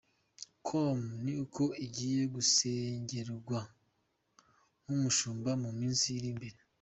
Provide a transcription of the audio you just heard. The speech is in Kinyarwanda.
com ni uko agiye gusengerwa nk'umushumba mu minsi iri imbere.